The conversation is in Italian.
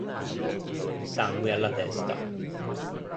Sangue alla testa